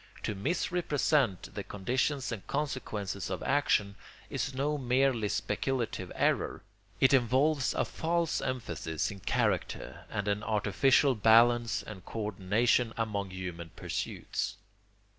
To misrepresent the conditions and consequences of action is no merely speculative error; it involves a false emphasis in character and an artificial balance and co ordination among human pursuits.